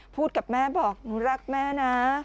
พูดกับแม่บอกหนูรักแม่นะ